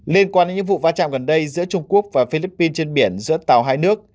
liên quan đến những vụ va chạm gần đây giữa trung quốc và philippines trên biển giữa tàu hai nước